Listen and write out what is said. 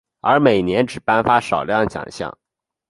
而每年只颁发少量奖项。